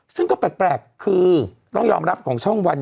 ซึ่งก็แปลกคือต้องยอมรับของช่องวัน